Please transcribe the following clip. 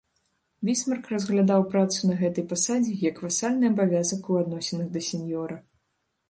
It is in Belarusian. Бісмарк разглядаў працу на гэтай пасадзе як васальны абавязак у адносінах да сеньёра.